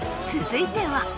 続いては。